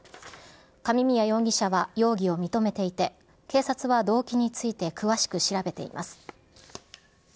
上宮容疑者は容疑を認めていて、警察は動機について詳しく調べています。